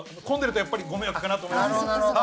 混んでるとやっぱりご迷惑かなと思います。